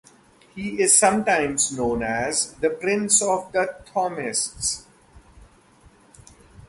He is sometimes known as the "Prince of the Thomists".